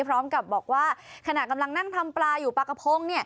พร้อมกับบอกว่าขณะกำลังนั่งทำปลาอยู่ปลากระพง